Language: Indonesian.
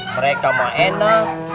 mereka mah enak